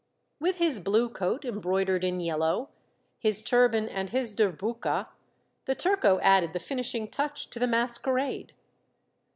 With his blue coat embroidered in yellow, his turban, and his derbonka, the turco added the finishing touch to the mas querade.